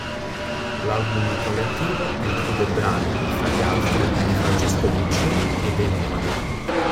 L'album collettivo include brani, fra gli altri, di Francesco Guccini e dei Nomadi.